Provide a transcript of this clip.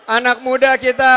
anak muda kita